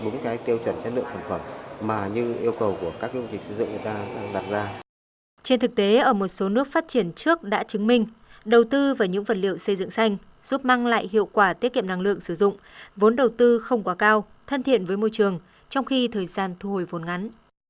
trên thực tế ở một số nước phát triển trước đã chứng minh đầu tư vào những vật liệu xây dựng xanh giúp mang lại hiệu quả tiết kiệm năng lượng sử dụng vốn đầu tư không quá cao thân thiện với môi trường trong khi thời gian thu hồi vốn ngắn